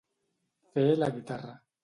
Fer la guitarra.